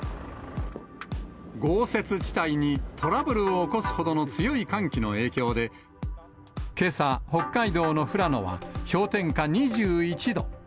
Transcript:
豪雪地帯にトラブルを起こすほどの強い寒気の影響で、けさ、北海道の富良野は氷点下２１度。